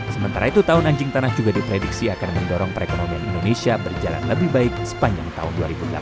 sementara itu tahun anjing tanah juga diprediksi akan mendorong perekonomian indonesia berjalan lebih baik sepanjang tahun dua ribu delapan belas